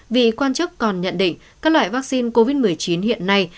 vị quan chức còn nhận định các loại vắc xin covid một mươi chín hiện nay